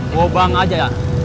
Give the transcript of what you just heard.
woh bang aja ya